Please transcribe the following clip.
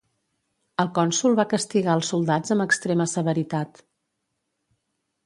El cònsol va castigar als soldats amb extrema severitat.